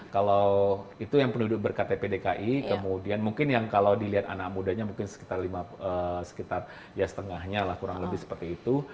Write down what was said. kalau itu yang penduduk berktp dki kemudian mungkin yang kalau dilihat anak mudanya mungkin sekitar ya setengahnya lah kurang lebih seperti itu